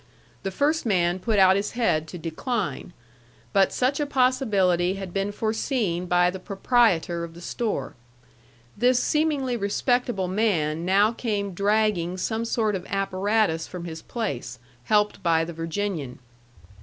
The first man put out his head to decline. But such a possibility had been foreseen by the proprietor of the store. This seemingly respectable man now came dragging some sort of apparatus from his place, helped by the Virginian.